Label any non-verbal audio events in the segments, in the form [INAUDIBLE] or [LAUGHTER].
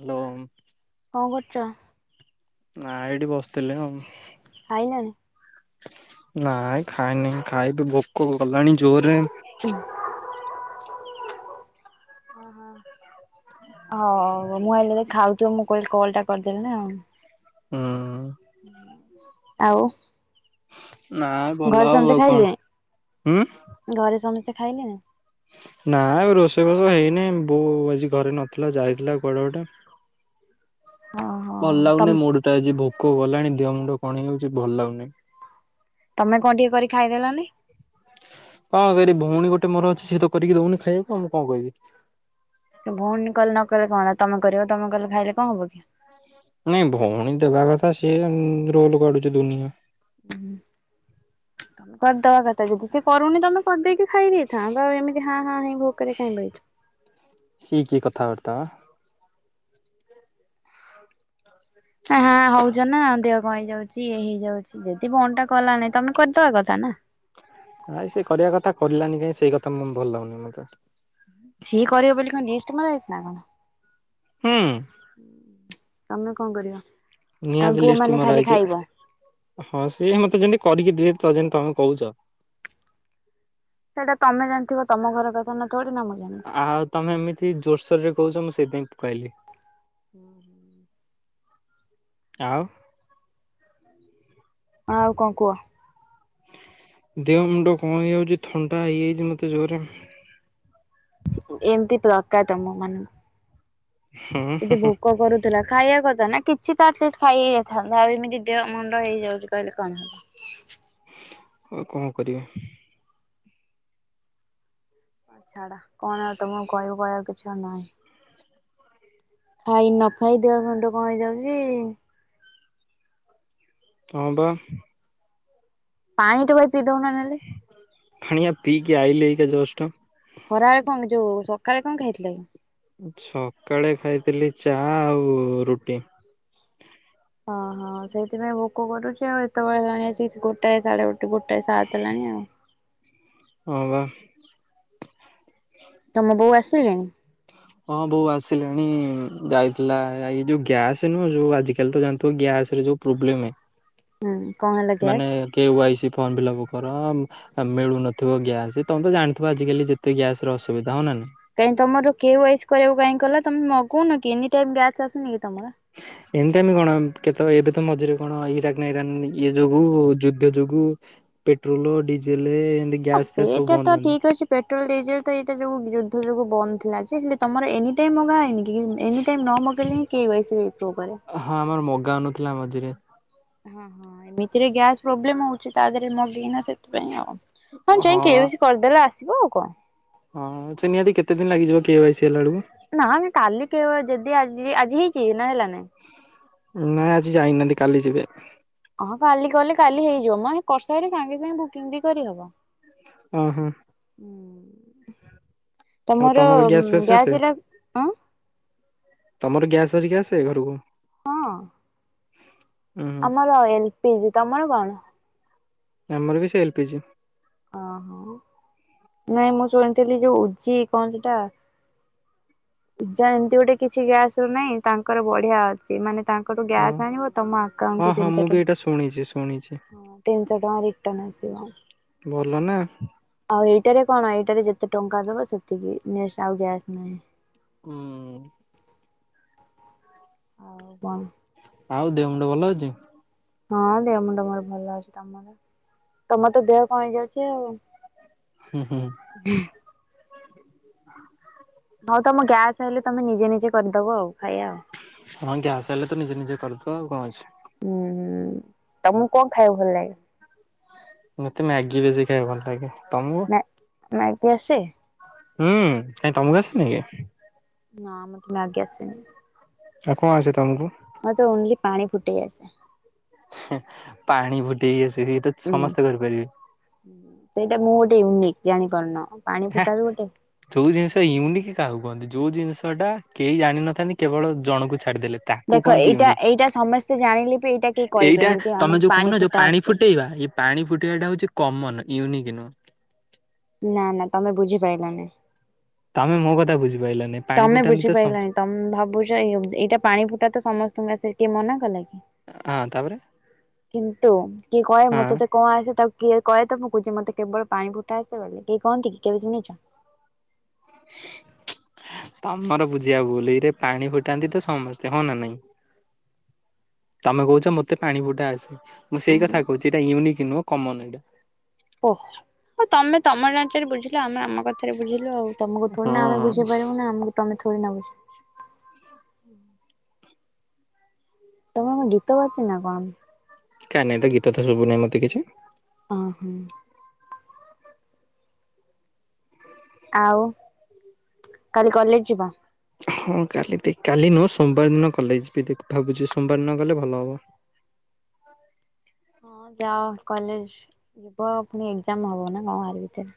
Hello. କଣ କରୁଛ? ନା ଏଇଠି ବସିଥିଲି ଆଉ। ଖାଇନାଣି? ନାଇଁ ଖାଇନିଁ ଖାଇବେ ଭୋକ ଗଲାଣି ଜୋରରେ ହ ଓ ହୋ। ହଉ ମୁଁ ଆିଲ ଖାଉଥିବ ମୁଁିଲ କଲ ଟା କରିଦେଲିି ନା। ହୁଁ। ଆଉ? ନାଇ ଭଲ ହବ ଘରେ ସମସ୍ତେ ଆଉ କଣ ଖାଇଲେଣି? ହୁଁ? ଘରେ ସମସ୍ତେ ଖାଇଲେ ନା? ନା ଏ ରୋଷେଇ ଘଷ ହେଇନି ବୋଉ ଆଜି ଘରେ ନଥିଲା ଯାଇଥିଲା କୁଆଡେ ଗୋଟେ ଓହୋ ଭଲ ତମ ଲାଗୁନି ତମେ ମୁଡଟା ଆଜି ଭୋକ ଗଲାଣି ଦେହ ମୁଣ୍ଡ କଣ ଯାଉଛି ଭଲ ଲାଗୁନି। ତମେ କଣ ଟିକେ କରି ଖାଇଦେଲାନି? କଣ କ ଭଉୀ ଗୋଟେ ମୋର ଅଛି ସିଏ ତ କରିକି ଦଉନି ଖାଇବାକୁ ମୁ କଣ କହିବି? ଭଉଣୀ କଲେ ନ କହଲେ କଣ ତମେ କରିବ ତମ କଲେ ଖାଇଲେ କଣ ହବ କି? ନାଇଁ ଭଉଣୀ ଦେବା କଥା ସିଏ ରୋଲ କାଢୁଚ ଦୁନିଆ ହଁ ତମେ କ ଦବା କଥା ଯଦି ସେ କରୁନି ତମେ କରିଦେଇକି ଖାଇ ଦେଇଥାନ୍ତ ତ ଏମିତି ହଁ ହଁ ହ ଭୋକରେ କ ଖାଇଁ ସିଏ କିଏ କଥାବାର୍ତ୍ତା ହେ ନା ହଁ ହଉଛ ନା ଦେହ କ ହେଇ ଯାଉଛି ଇଏ ହେଇଯାଉଛି। ଯଦି ବ ଟା କଲାନି ତମେ କରିଦବା କଥା ନା। ନାଇଁ ସେ କରିବା କଥା କରିଲାନି କାଇଁ ସେଇ କଥା ଭଲ ଲାଗୁନି ମତେ ସିଏ କରିବ ବୋଲି କଣ ମଇଛି ନା କଣ ହୁଁ। ତମେ କଣ କରିବ ନିହାତି ତମେ ପୁଅ ଲିଷ୍ଟ ମାନେ ମରା ଖାଲି ହେଇଛି ଖାଇବ? ହଁ ସିଏ ମତେ ଯେମିତି କରିକି ଦିମତି ତମେ କହୁଛ? ସେଇଟା ତମେ ଜାଣିଥିବ ତମ ଘର କଥା ନା ଥୋ ନା ମେ ଆଉ ତମେ ଏମିତି ଜୋରସୋର ରେ କହୁଛ ମୁଁ ସେଇଥିାଇଁ କହିଲି। ହୁଁ ହୁଁ। ଆଉ? ହଁ ଆଉ କଣ କୁହ? ଦେହ ମୁଣ୍ଡ କଣ ହେଇଯାଉଛି ଥଣ୍ଡା ହେଇଯାଇଛି ମୋତେ ଜୋରରେ। ଏମତି [UNINTELLIGIBLE] ଏତେ ଭୋକ କରୁ ଥିଲା ଖାଇବା କଥା ନା କିଛି ତ ଆଲିଷ୍ଟ ଖାଇ ହେ ଯାଇଥାନ୍ତା ଆଉ ଏମିତି ଦେହ ମୁଣ୍ଡ ହେଇଯାଉଛି କହିଲେ କଣ ହେଲା? ଆଉ କଣ କରିବି ଛାଡା କଣ ଆଉ ତମକୁ କହିବ କହିବାକୁ କିଛ ନାହିଁ ଖାଇ ନ ଖାଇ ଦେବା ଖଣ୍ଡ କଣ ହେଇଯାଉଛି ହଁ ବା ପାଣି ଟୋପେ ପିଇ ଦଉନ ନହେଲେ ଖଣିିଆ ପିିକ ଆଇ ଲେଇ ଏକା ଜଷ୍ଟ ଖରାବେଳେ କଣ ଯୋଉ ସକାଳେ କଣ ଖାଇଥିଲେ କି ସକାଳେ ଖାଇଥିଲି ଚା ଆଉ ରୁଟି ଓଁ ହଁ ସେଇଥିପାଇଁ ଭୋକ କରୁଛି ଆଉ ଏତେବେଳେ ହେଲାଣି ଆସି ଗୋଟାଏ ସାଡେ ଗୋଟେ ତ ଗୋଟେ ସାତ ଦେଲାଣି ଆଉ ହଁ ବା ତମ ବୋଉ ଆସିଲାଣି ହଁ ବୋଉ ଆସିଲାଣି ଯାଇଥିଲା ଏ ଯୋଉ ଗ୍ୟାସ ନୁହ ଯୋଉ ଆଜିକାଲି ତ ଜାଣିଥିବ ଗ୍ୟାସ ରେ ଯୋଉ ପ୍ରୋବ୍ଲେମେ ହୁଁ କଣ ହେଲା ମାନେ gas? K Y C form fill up କର ଅ ମିଳୁନଥିବ ଗ୍ୟାସ୍ ତମେ ତ ଜାଣିଥିବ ଆଜିକାଲି ଯେ ତି ଗ୍ୟାସର ଅଶୁବିଧା ହ ନାଁ ନହିଁ କାଇହିଁ ତମର କେ ୱେଇ ସି କରିବାକୁ କାଇହିଁକଲା ତମେ ମଗୁନ କି ଏନି ଟାଇମ ଗ୍ୟାସ୍ ଆସୁନି କି ତମର ଏମିତି ଆମେ କଣ କେତ ଏବେ ତ ମଝିରେ କଣ ଇରାକ ନା ଇରାନ ଇଏ ଯୋଗୁ ଯୁଦ୍ଧ ଯୋଗୁ ପେଟ୍ରୋଲ ଡିଜେଲ ଏ ଅ ସେଇଟା ତ ଠିକ ଅଛି ପେଟ୍ରୋଲ ଡିଜେଲ ତ ଏଇ ଟା ବି ଯୁଦ୍ଧ ଯୋଗୁଁ ବନ୍ଦ ଥିଲା ଯେ ହେଲେ ତମର ଏନି ଟାଇମ୍ ମଗାଇନି କି ଏନି ଟାଇମ୍ ନ ମଗ ମୁଁ କହିଲି କେ ଉଆଇସି ଇସୋ କରେ ହଁ ଆମର ମଗା ଆନଥିଲା ମଝିରେ ହ ହଁ ଏମିତିରେ ଗ୍ୟାସ ପ୍ରୋବ୍ଲେମ ହଉଛି ତା ଦେହରେ ମଗେଇନା ସେଥିପାଇଁ ଆଉ ହଁ ଯାଇ କେ ବି ସି କରିଦେଲେ ଆସିବ ଆଉ କଣ ହଁ ସେ ନିହାତି କେତେ ଦିନ ଲାଗଯିବ କେ ୱାଇ ସି ହେଲା ବେଳକୁ ନା କାଲି କେ ଯଦି ଆଜି ଆଜି ହେଇଛି ନା ହେଲା ନାଇଁ ନା ଆଜି ଯାଇନାହାନ୍ତି କାଲି ଯିବେ ହଁ କାଲି କଲେ କାଲି ହେଇଯିବ ମ କର୍ଷରେ ସାଙ୍ଗେ ସାଙ୍ଗେ ବୁକିଙ୍ଗ ବି କରିହବ ଅ ହୁଁ ଉ ଆଉ ତମର ଗ୍ୟାସ ଫ୍ୟାସ ଆସେ ଗ୍ୟାସଟା ତମର ଗ୍ୟାସ୍ ଅରିକା ଆସିବ ଘରକୁ ହଁ ହୁଁ ଆମର ଏଲ ପିଜି ତମର କଣ ଆମର ବି ସେ ଏଲପିଜି ଓହୋ ନାଇଁ ମୁଁ ଶୁଣିଥିଲି ଯୋଉ ଉଜି କଣ ସେଟା ପୂଜା ଏମିତି ଗୋଟେ କିଛି ଗ୍ୟାସ ରୁ ନାହିଁ ତାଙ୍କର ବଢିଆ ଅଛି ସେମାନେ ତାଙ୍କଠୁ ଓ ଗ୍ୟାସ୍ ଆଣିବ ତମ ହଁ ଆକାଉଣ୍ଟ କୁ ହଁ ମୁଁ ତିନିଶହ ବି ଏଇଟା ଶୁଣିଛି ଶୁଣିଛି ଟଙ୍କା ତିନିଶହ ଟଙ୍କା ରିଟନ ଆସିବ ଭଲ ନା ଆଉ ଏଇଟାରେ କଣ ଏଇଟାରେ ଯେତେ ଟଙ୍କା ଦବ ସେତିକି ଆଉ ଗ୍ୟାସ୍ ନାହିଁ ହୁଁ ଆଉ କଣ ଆଉ ଦେହ ମୁଣ୍ଡ ଭଲ ଅଛି ହଁ ଦେହ ମୁଣ୍ଡ ମୋର ଭଲ ଅଛି ତମର ତମର ତ ଦେହ କଣ ହେଇଯାଉଛି ଆଉ ହୁଁ ହୁଁଁ ହୁଁ ହଉ ତମ ଗ୍ୟାସ୍ ହେଲେ ତମେ ନିଜେ ନିଜେ କରିଦବ ଆଉ ଖାଇବା ଆଉ ହଁ ଗ୍ୟାସ ହେଲେ ତ ନିଜେ ନିଜେ କରିଚ ଆଉ କଣ ଅଛି? ହୁଁ ହୁଁ ତମୁକୁ କଣ ଖାଇବାକୁ ଭଲ ଲାଗେ? ମତେ ମ୍ୟାଗି ବେଶୀ ଖାଇବାକୁ ଭଲ ଲାଗେ। ତମକୁ? ମ୍ୟା ମ୍ୟାଗି ଆସେ? ହୁଁ କାଇଁ ତମୁକୁ ଆସେ ନି କି? ନା ମତେ ମ୍ୟାଗି ଆସେନି। ଆଉ କଁ ଆସେ ତମୁକୁ? ମତେ ଓନଲି ପାଣି ଫୁଟେଇ ଆସେ। ହିଁ ପାଣି ଫୁଟେଇ ଆସେରି ଏତ ଉଁ ସମସ୍ତେ କରିପାରିବେ। ସେଇଟା ମୁଁ ଗୋଟେ ୟୁନିକ୍ ଜାଣିପାରୁନ। ପାଣି ହେ ଫୁଟା ବି ଗୋଟେ ଯୋଉ ଜିନିଷ ୟୁନିକ କାହାକୁ କୁହନ୍ତି ଯୋଉ ଜିନଷ ଟା କେହି ଜାଣିନଥାନ୍ତି କେବଳ ଜଣଙ୍କୁ ଛାଡିଦେଲେ। ତାକୁ ଦେଖ କହନ୍ତି ଏଇଟା ୟୁନିକ୍। ଏଇଟା ସମସ୍ତେ ଜାଣିଲେ ବି ଏଇଟା କେହି ଏଇଟା କହିବେନି ଯେ ତମେ ଆମକୁ ଯୋଉ କହୁନ ଯୋଉ ଫୁଟା ପାଣି ଆସେ। ଫୁଟେଇବା ଏ ପାଣି ଫୁଟେଇବାଟା ହଉଚି କମନ୍ ୟୁନିକ୍ ନୁହଁ। ନା ନା ତମେ ବୁଝି ପାଇଲନେଇ। ତମେ ମୋ କଥା ବୁଝି ପାଇଲନେଇ। ତମେ ବୁଝିପାଇଲଣି ତମେ ଭାବୁଛ ଏଇଟା ପାଣି ଫୁଟା ତ ସମସ୍ତଙ୍କୁ ଆସେ କିଏ ମନା କଲା କି? ହଁ ତାପରେ କିନ୍ତୁ କିଏ କହେ ହଁ ମତେ ତ? କଣ ଆସେ ତାକୁ କିଏ କହେ ତ ମୁଁ କହୁଚି ମତେ କେବଳ ପାଣି ଫୁଟା ଆସେ ବଲି କେ କହନ୍ତି କି କେବେ ଶୁଣିଛ? ତମର ବୁଝିଆ ଭୁଲ ଇଏରେ ପାଣି ଫୁଟାନ୍ତି ତ ସମସ୍ତେ ହଁ ନା ନାଇଁ? ତମେ କହୁଚ ମତେ ପାଣି ଫୁଟା ଆସେ। ମୁଁ ସେଇ କଥା କହୁଚି ଏଇଟା ୟୁନିକ୍ ନୁହଁ କମନ୍ ଏଇଟା। ଓହଃ। ହଉ ତମେ ତମ ଯାଞ୍ଚରେ ବୁଝିଲ। ଆମେ ଆମ କଥାରେ ବୁଝିଲୁ ଆଉ ତମକୁ ଥୋଡି ନା ଆମେ ହଁ। ବଝିପାରିବୁ ନା ଆମକୁ ତମେ ଥୋଡ଼ି ନା ବୁଝ୍ ତମର କଣ ଗୀତ ବାଜୁଚି ନା କଣ? କାଇଁ ନାଇଁ ତ ଗୀତ ତ ଶୁଭୁନି ମତେ କିଛି। ଅଁ ହଁ। ଆଉ କାଲି କଲେଜ ଯିବ? ହଁ କାଲି ଟିକ୍ କାଲି ନୁହଁ ସୋମବାର ଦିନ କଲେଜ ଯିବି ଭାବୁଛି। ସୋମବାର ଦିନ ଗଲେ ଭଲ ହବ। ହଁ ଯାଅ କଲେଜ ଯିବ ପୁଣି ଏକଜାମ ହବ ନା କଣ ଆରି ଭିତରେ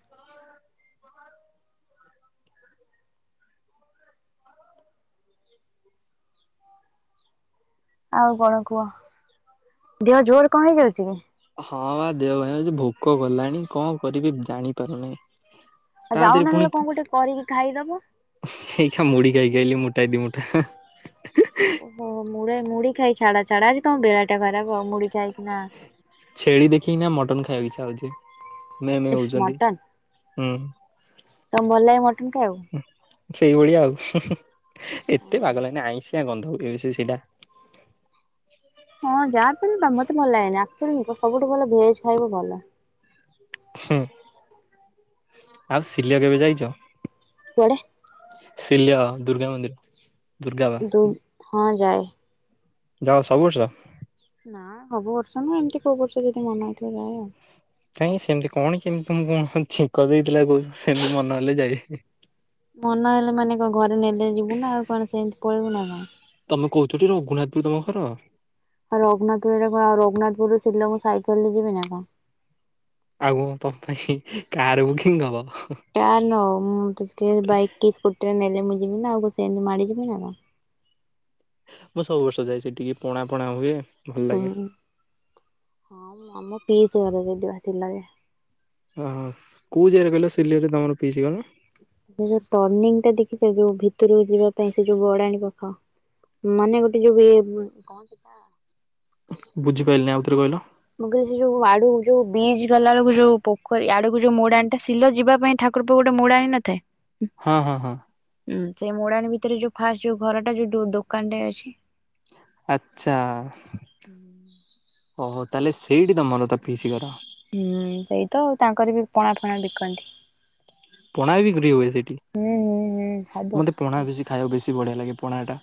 ଆଉ କଣ କୁହ ଦେହ ଜୋରେ କଣ ହେଇଯାଉଚି କି? ହଁ ବା ଦେହ ଭାଇ ହଉଛି ଭୋକ କଲାଣି କଣ କରିବି ଜାଣିପାରୁନି। ଆଉ ଯାଉନ ନହେଲେ କଣ ଗୋଟେ କରିକି ଖାଇଦବ। ଏଇ ଖା ମୁଢି ଖାଇକି ଆଇଲି ମୁଠାଏ ଦି ମୁଠା। ଓ ମୁଡେ ମୁଢି ଖାଇ ଛାଡା ଛାଡା ଆଜି ତମ ବେଳା ଟା ଖରାପ ହଉ ମୁଢି ଖାଇକି ନା ଛେଳି ଦେଖିକିନା ମଟନ ଖାଇବାକୁ ଇଚ୍ଛା ହଉଚି ମେ ମେ ହଉଚନ୍ତି ହୁଁ। ତମ ଭଲ ଲାଗେ ମଟନ୍ ଖାଇଆକୁ? ସେଇଭଳିଆ ଆଉ ଏତେ ପାଗଲା ନିଆ ଆଇଁଷିଆ ଗନ୍ଧ ହୁଏ ସେ ସେଇଟା। ହଁ ଯାହା ବି ଉମ୍ ମତେ ଭଲ ଲାଗେନି ଆକ୍ଚୁଲି ସବୁଠୁ ଭଲ ଭେଜ ଖାଇବ ଭଲ। ହୁଁ ଆଉ ସିଲିଆ କେବେ ଯାଇଚ? କଆଡେ? ସିଲିଆ ବା ଦୁର୍ଗା ମନ୍ଦିର। ଦୁର୍ଗା ମା ଦୁ ହଁ ଯାଏ। ଯାଅ ସବୁ ବର୍ଷ? ନାଁ ସବୁ ବର୍ଷ ନୁହଁ ଏମତି କୋଉ ବର୍ଷ ଯଦି ମନ ହେଇଥିବ ଯାଏ ଆଉ। କାଇଁକି ସେ ଏମତି କଣ କି ଏମତି ତମକୁ କଣ ଛେଙ୍କ ଦେଇଥିଲା କହୁଚ ସେମିତି ମନ ହେଲେ ଯାଏ ମନ ହେଲେ ମାନେ କଣ ଘରେ ନେଲେ ଯିବୁ ନା ଆଉ କଣ ସେମତି ପଳେଇବୁ ନା କଣ? ତମେ କହୁଚ ଟି ରଘୁନାଥ ପୁର ତମ ଘର? ଆଉ ରଗୁନାଥପୁରା ଆଉ ରଘୁନାଥପୁରୁ ଶିଲଙ୍ଗ ମୁଁ ସାଇକଲ ରେ ଯିବି ନା କଣ? ଆଉ କଣ ତମ ପାଇଁ କାର ବୁକିଂ ହବ। ଟା ନ ମୁଁ [UNINTELLIGIBLE] ବାଇକି କି ସ୍କୁଟିରେ ନେଲେ ମୁଁ ଯିବି ନା ଆଉ ସେମିତି ମାଡି ଯିବି ନା କଣ। ମୁଁ ସବୁ ବର୍ଷ ଯାଏ ସେଠିକି, ପଣା ପଣା ହୁଏ। ଭଲ ହୁଁ, ଲାଗେ ହଁ ଆମ [UNINTELLIGIBLE] ଆସିଲା ଯେ ଓହୋ କୋଉ ଯାଗାରେ କହିଲ [UNINTELLIGIBLE] ତମର ପିଇସି ଘର ନାଁ? ସେ ଯୋଉ ଟର୍ନିଂ ଟା ଦେଖିଚ ଯୋଉ ଭିତରକୁ ଯିବା ପାଇଁ ସେ ଯୋଉ ଗଡାଣୀ ପାଖ। ମାନେ ଗୋଟେ ଯୋଉ ଇଏ କହନ୍ତି ତ ବୁଝିପାଇଲିନି ଆଉଥରେ କହିଲ? ମୁଁ କହିଲ ସେ ଯୋଉ ଆଡୁ ଯୋଉ ବି ଗଲା ବେଳକୁ ଯୋଉ ପୋଖରୀ ଆଡକୁ ଯୋଉ ମୋଡାଣଟା ସିଲ ଯିବା ପାଇଁ ଠାକୁ ତାରକୁ ଗୋଟେ ମୁୂା ଆଣ ନିନଥାଏ? ହଁ ହଁ ହଁ। ହୁଁ ସେଇ ମୋଡ଼ାୀ ଭିତରେ ଯୋଉ ଫାଷ୍ଟ ଯୋଉ ଘରଟା ଯୋଉ ଦୋକାନ ରେ ଅଛି? ଆ୍ଛା ଓହୋ ତାହେଲେ ସେଇଠି ତମର ତ ପିସ କରର। ହୁଁ ସେଇତ ତାଙ୍କର ବି ପଣା ଫଣା ବିକନ୍ତି। ପଣା ବିିକ୍ରି ହୁଏ ସେଇଠି ହୁଁ ହୁଁ ହୁଁ ସବୁ ମତେ ପଣା ବେଶୀ ଖାଇବାକୁ ବେଶୀ ବଢିଆ ଲାଗେ ପଣା ଟା।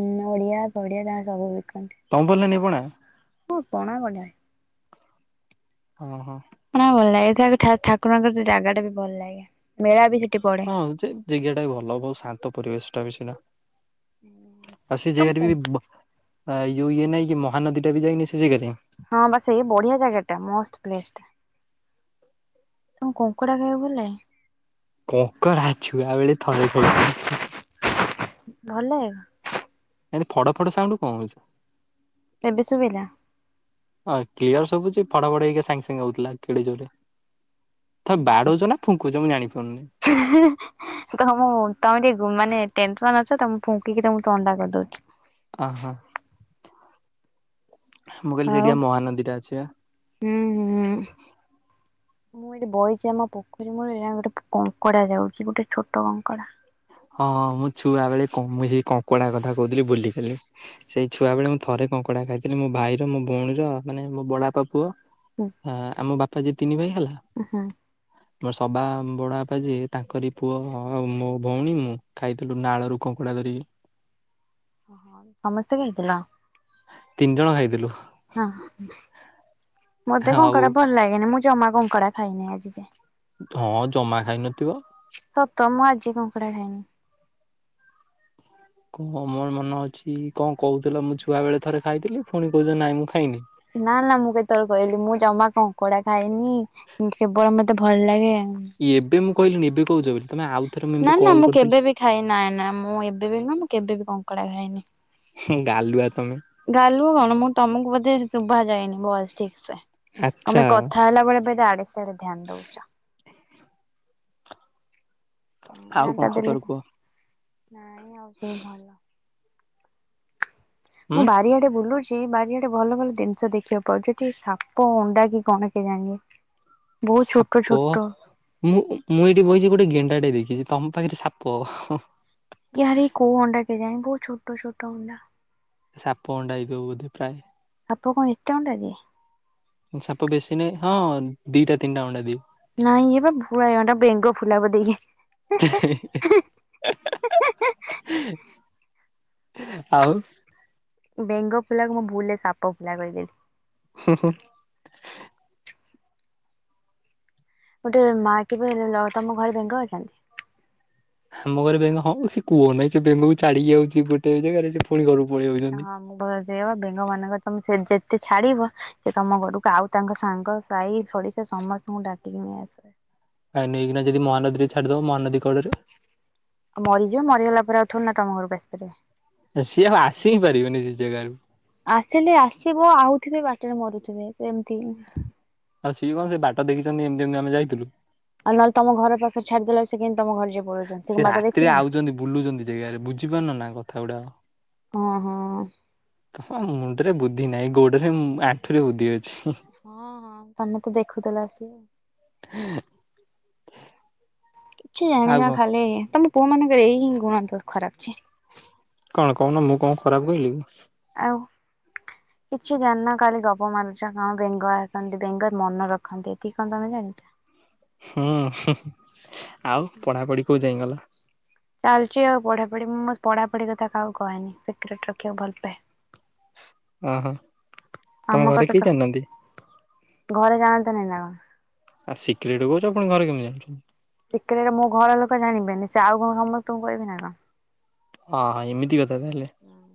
ଉ ନଡ଼ିଆ ପଡ଼ିଆ ଗାଁ ସବୁ ବଖନ୍ତି। [UNINTELLIGIBLE] ହଁ ପଣା କଣି ଓଁ ହୋ। ପ ଭଲ ଲାଗେ ସେ ଠାକୁରଙ୍କର ଜାଗା ଟା ବି ଭଲ ଲାଗେ ମେଳା ବି ସେଠି ପଡେ। ହଁ ଯେ ଜେଗା ଟା ବି ଭଲ, ବହୁ ଶାନ୍ତ ପରିବେଶ ଟା ବି ସିନା। ଆଉ ସେ ଜାଗାରେ ତମକୁ ବି, ଆଉ ଇଏ ନାଇଁ କି ମହାନଦୀ ଟା ବି ଯାଇନି ସେ ଜାଗାରେ? ହଁ ବା ସେଇ ବଢିଆ ଜାଗା ଟା ମସ୍ତ ପ୍ଳେସ୍ ଟା। ତମକୁ କଙ୍କଡ଼ା ଖାଇବା କୁ ଭଲଲାଗେ? କଙ୍କଡା ଛୁଆ ବେଳେ ଥରେ ଖାଇଥିଲି। [UNINTELLIGIBLE] ଏମତି ଫଡ ଫଡ ସାଉଣ୍ଡ କଣ ହଉଛି? ଏବେ ଶୁଭିଲା? ହଁ, କ୍ଲିୟର ଶୁବୁଛି ଫଡ଼ ଫଡ଼ ହେଇକି ସାଙ୍ଗେ ସାଙ୍ଗେ ହଉଥିଲା କେଡ଼େ ଜୋରରେ ତ ବାଡଉଛ ନା ଫୁଙ୍କୁଛ ମୁଁ ଜାଣିପାରୁନି। [UNINTELLIGIBLE] ତମ ତମେ ଟିକେ ମାନେ ଟେନସନ ଅଛ ତ, ମୁଁ ଫୁଙ୍କିକି ତମକୁ ଥଣ୍ଡା କରିଦଉଛି। ଅହ, ମୁଁ କହିଲି ଆଉ ସେଠିବା ମହାନଦୀ ଟା ଅଛି ବା। ହୁଁ ହୁଁ। [INAUDIBLE] ମୁଁ ଏଠି ବଇଛି ଆମ ପୋଖରୀ ମୂଳରେ ଗୋଟେ କଙ୍କଡ଼ା ଯାଉଛି ଗୋଟେ ଛୋଟ କଙ୍କଡ଼ା। ହଁ, ମୁଁ ଛୁଆ ବେଳେ, କ ମୁଇ କଙ୍କଡା କଥା କହୁଥିଲି ଭୁଲିଗଲି। ସେଇ ଛୁଆ ବେଳେ ମୁଁ ଥରେ କଙ୍କଡ଼ା ଖାଇଥିଲି, ମୋ ଭାଇର, ମୋ ଭଉଣୀର, ମାନେ ମୋ ବଡ଼ବାପା ପୁଅ ହୁଁ ହଁ, ଆମ ବାପା ଯ ତିନି ଭାଇ ହେଲା ହୁଁ ମୋ ସଭା ବଡବାପା ଯିଏ ତାଙ୍କରି ପୁଅ ଆ ମୋ ଭଉଣୀ, ଖାଇଥିଲି ନାଳରୁ କଙ୍କଡ଼ା ଧରିିକି। ଓ ହୋ ସମସ୍ତେ ଖାଇଥିଲ? ତିନି ଜଣ ଖାଇଥିଲୁ। ହଁ। ମତେ ଆଉ କଙ୍କଡା ଭଲ ଲାଗେନି, ମୁଁ ଜମା କଙ୍କଡା ଖାଇନି ଆଜି ଯାଏ। ହଁ, ଜମା ଖାଇନଥିବ ସତ ମୁଁ ଆଜି କଙ୍କଡ଼ା ଖାଇନି। କଣ ମୋର ମନ ଅଛି କଣ କହୁଥିଲା ମୁଁ ଛୁଆ ବେଳେ ଥରେ ଖାଇଥିଲି ପୁଣି କହୁଛି ନାଇଁ ମୁଁ ଖାଇନି। ନା ନା ମୁଁ କେତେବେଳେ କହିଲି ମୁଁ ଜମା କଙ୍କଡା ଖାଇନି ସେବଳ ମତେ ଭଲ ଲାଗେ କି ଏବେ ମୁଁ କହିଲି ଏବେ କହୁଛ ବୋଲି,। ତମେ ଆଉଥରେ ନା ଏମିତି ନା କଲ୍ ମୁଁ କରିଥିଲି କେବେ ବିି ଖାଇ ନାଇଁ ନା ମୁଁ ଏବେ ବି ନା ମୁଁ କେବେ ବିି କଙ୍କଡା ଖାଇନି। ଗାଲୁଆ ତମେ। ଗାଲୁ କଣ ମୁଁ ତମକୁ ବୋଧେ ଶୁଭା ଯାଇନି ବଲ ଠିକ ସେ। ଆଚ୍ଛା ଆମେ କଥା ହେଲା ବେଳେ ବ ଆଡେ ସାରେ ଧଧ୍ୟାନ ଦଉଛ, ଆଉ କଣ ଟା ଦେଲେ ଖବର କୁହ? ସେନା, ନାଇଁ ଆଉ ସବୁ ଭଲ। ଉଁ ମୁଁ ବାରିଆଡ଼େ ବୁଲୁଛି ସେଇ ବାରିଆଡେ ଭଲ ଭଲ ଜିନିଷ ଦେଖିବାକୁ ପାଉଛି, ଏଠି ସାପ ଅଣ୍ଡା କି କଣ କେ ଜାଣି? ସାପ। ମୁଁ ମୁଁ ଏଇଠି ବଇଛି ଗୋଟେ ଗେଣ୍ଡାଟେ ଦେଖିଛି, ତମ ପାଖରେ ସାପ କେଜାଣି କୋଉ ଅଣ୍ଡା କେଜାଣି ବହୁତ ଛୋଟ ଛୋଟ ଅଣ୍ଡା। ସାପ ଅଣ୍ଡା ଦେଇଦବ ବୋଧେ ପ୍ରାଏ ସାପ କଣ ଏତେ ଅଣ୍ଡା ଦିଏ? ସାପ ବେଶୀ ନାହିଁ ହଁ ଦିଟା ତିନିଟା ଅଣ୍ଡା ଦିଏ। ନାଇଁ, ଏ ବା [UNINTELLIGIBLE] ବେଙ୍ଗ ଫୁଲା ବୋଧେ ଇଏ। [UNINTELLIGIBLE] ଆଉ ବେଙ୍ଗ ଫୁଲାକୁ ମୁଁ ଭୁଲରେ ସାପ ଫୁଲା କହିଦେଲି। ହୁଁ ହୁଁ। ଗୋଟେ ମା କିବେ ତମ ଘରେ ବେଙ୍ଗ ଅଛନ୍ତି? ଆମ ଘରେ ବେଙ୍ଗ ହଁ ସେ କୁହ ନାହିଁ ସେ ବେଙ୍ଗୁକୁ ଚାାଡିକି ଯାଉଛି ଗୋଟେ ଜାଗାରେ ପୁଣି ଘରକୁ ପଳେଇବ ହଁ ମୁ ବେଙ୍ଗ ମାନଙ୍କ ତମ ଯେତେ ଛାଡିବ ସେ ତମ ଘରକୁ ଆଉ ତାଙ୍କ ସାଙ୍ଗ ସାହି ଛଡି ସେ ସମସ୍ତଙ୍କୁ ଡାକିକି ନେଇଆସଏ। କାଇଁ ନେଇକିନା ଯଦି ମହାନଦୀରେ ଛାଡିଦବ ମହାନଦୀ କଡରେ। ଆଉ ମରିଯିବ ମରିଗଲା ପରେ ଆଉ ଥଥିଲୁ ନା ତମ ଘରକୁ ଆସିପାରିବି। ସିଏ ଆଉ ଆସି ହିଁ ପାରିବନି ସେ ଜାଗାାରୁ। ଆସିଲେ ଆସିବ ଆଉଥିବେ ବାଟରେ ମରୁଥିବେ ସେମତି ଆଉ ସିଏ କଣ ସେ ବାଟ ଦେଖିଛନ୍ତି ଏମିତି ଏମତି ଆମେ ଯାଇଥିଲୁ। ଆଉହଲେମ ଘର ପାଖ ଛାଡିଦେବେ ସେ କେି ତମ ଘରେ ଯିବ। ସେ ରାତିରେ ଆଉଛନ୍ତି ବୁଲୁଛନ୍ତି ଜାଗାରେ ବୁଝିପାରୁନ ନା କଥା ଗୁଡାକ। ହଁ ହଁ। ହଁ ମୁଣ୍ଡରେ ବୁଦ୍ଧି ନାହିଁ ଗୋଡରେ ଆଣ୍ଠୁରେ ବୁଦ୍ଧି ଅଛି। ହଁ ହଁ ତମେ ତ ଦେଖୁଥିଲା ସିଏ। [INAUDIBLE] କିଛି ଆଉ ଜାଣିନ କଣ। ଖାଲି ତମ ପୁଅ ମାନଙ୍କର ଏଇ ହିଁ ଗୁଣ ଖରାପଛି। କଣ କହୁନ ମୁଁ କଣ ଖରାପ କହିଲି କି? ଆଉ। କିଛି ଜ୍ଞାନ କାଳି ଗପ ମାରୁାରୁଛ କଣ ବେଙ୍ଗ ଆସନ୍ତି ବେଙ୍ଗର ମନ ରଖନ୍ତି ଏତିକି କଣ ତମେ ଜାଣିଛ? ହୁଁ ଆଉ ପଢାପଢି କୋଉ ଯାଇ ଗଲା? ଚାଲିଛି ଆଉ ପଢା ପଢି ମୁଁ ମୋ ପଢାପଢି କଥା କ କହେନି ସିକ୍ରେଟ ରଖିବାକୁ ଭଲ ପାଏ। ଓ ହୋ। ଆମ କଥା ତ ଘରେ ଜାଣନ୍ତ ନାାଇଁ ନା କଣ ଆଉ ସିକ୍ରେଟ କହୁଛୁ ଆପଣ ଘରେ କେମିତି ଯାନୁଛନ୍ତି? ଶ ମୋ ଘର ଲୋକ ଜାଣିବେନି ସେ ଆଉ କଣ ସମସ୍ତଙ୍କୁ କିବେ ନା କଣ। ହଁ ଏମିତି କଥାତା ହେଲେ। କଣ।